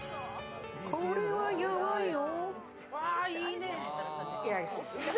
これはやばいよ。